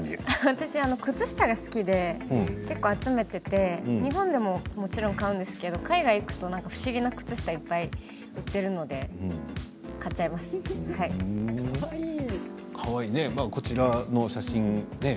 私は靴下が好きで集めていて日本でももちろん買うんですけれど海外に行くと不思議な靴下がいっぱい売っているのでこちらの写真ね。